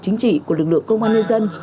chính trị của lực lượng công an nhân dân